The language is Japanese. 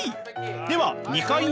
では２回目！